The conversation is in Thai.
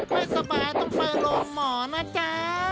ไม่สบายต้องไปโรงหมอนะจ๊ะ